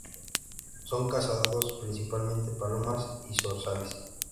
Son cazados principalmente palomas y zorzales.